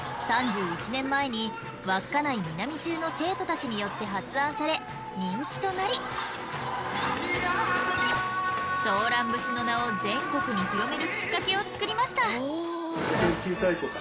３１年前に稚内南中の生徒たちによって発案され人気となり「ソーラン節」の名を全国に広めるきっかけを作りました。